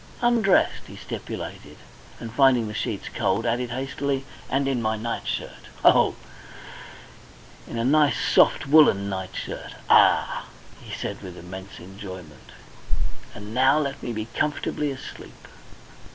"Undressed," he stipulated; and, finding the sheets cold, added hastily, "and in my nightshirt ho, in a nice soft woollen nightshirt. Ah!" he said with immense enjoyment. "And now let me be comfortably asleep..."